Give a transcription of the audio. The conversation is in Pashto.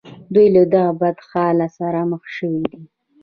دوی له دغه بد حالت سره مخ شوي دي